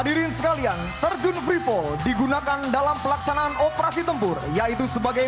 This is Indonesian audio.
hadirin sekalian terjun free fall digunakan dalam pelaksanaan operasi tempur yaitu sebagai